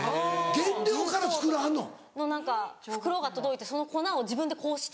原料から作らはんの？の何か袋が届いてその粉を自分でこうして。